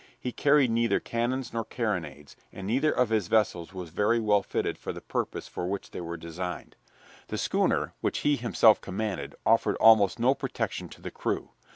He carried neither cannons nor carronades, and neither of his vessels was very well fitted for the purpose for which they were designed. The schooner, which he himself commanded, offered almost no protection to the crew.